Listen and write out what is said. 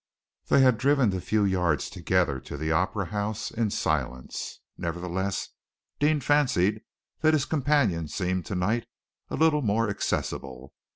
They had driven the few yards together to the Opera House in silence. Nevertheless, Deane fancied that his companion seemed to night a little more accessible.